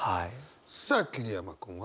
さあ桐山君は？